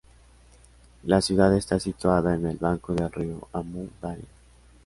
La ciudad está situada en el banco del río Amu Daria.